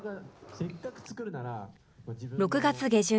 ６月下旬。